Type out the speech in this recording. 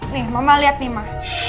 nih mama liat nih ma